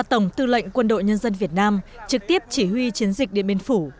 tổng tư lệnh quân đội nhân dân việt nam trực tiếp chỉ huy chiến dịch điện biên phủ